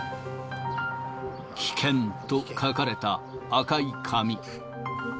危険と書かれた赤い紙。